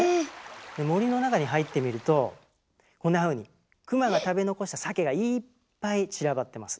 で森の中に入ってみるとこんなふうにクマが食べ残したサケがいっぱい散らばってます。